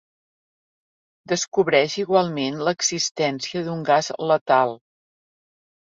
Descobreix igualment l'existència d'un gas letal.